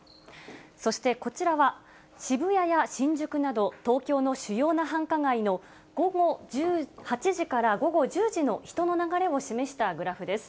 そしてこちらは、渋谷や新宿など、東京の主要な繁華街の、午後８時から午後１０時の人の流れを示したグラフです。